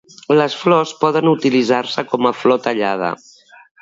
Les flors poden utilitzar-se com a flor tallada.